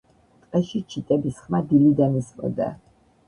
ტყეში ჩიტების ხმა დილიდან ისმოდა.